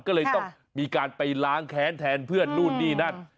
ก็เลยต้องมีการไปล้างแค้นแทนเพื่อนนู่นนี่นั่น